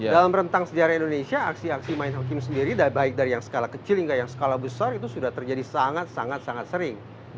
dalam rentang sejarah indonesia aksi aksi main hakim sendiri baik dari yang skala kecil hingga yang skala besar itu sudah terjadi sangat sangat sering